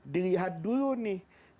dilihat dulu nih